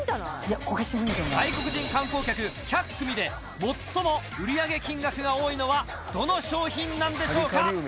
外国人観光客１００組で、最も売り上げ金額が多いのはどの商品なんでしょうか。